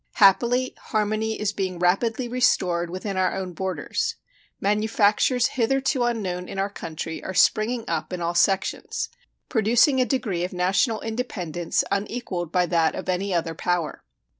Happily, harmony is being rapidly restored within our own borders. Manufactures hitherto unknown in our country are springing up in all sections, producing a degree of national independence unequaled by that of any other power.